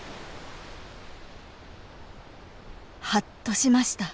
ハッとしました。